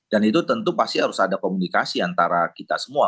dan itu tentu pasti harus ada komunikasi antara kita semua